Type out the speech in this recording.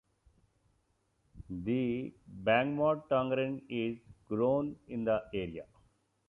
The Bang Mot tangerine is grown in the area.